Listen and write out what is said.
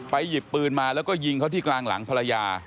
ไปหยิบปืนมาแล้วก็ยิงแพ้กลางภรรยา